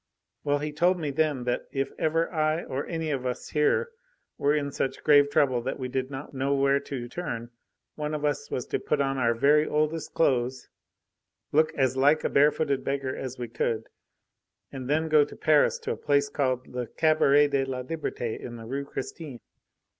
Well, he told me then that if ever I or any of us here were in such grave trouble that we did not know where to turn, one of us was to put on our very oldest clothes, look as like a bare footed beggar as we could, and then go to Paris to a place called the Cabaret de la Liberte in the Rue Christine.